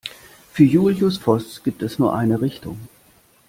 Für Julius Voß gibt es nur eine Richtung.